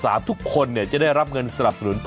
แล้วนั้นคุณก็จะได้รับเงินเข้าแอปเป๋าตังค์